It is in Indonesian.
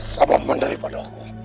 sabab menderipadu aku